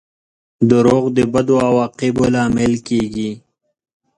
• دروغ د بدو عواقبو لامل کیږي.